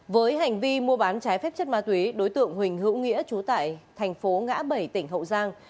với hành vi mua bán trái phép chất ma túy đối tượng huỳnh hữu nghĩa trú tại thành phố ngã bảy tỉnh hậu giang